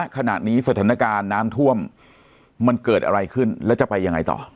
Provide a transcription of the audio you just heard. ขณะนี้สถานการณ์น้ำท่วมมันเกิดอะไรขึ้นแล้วจะไปยังไงต่อ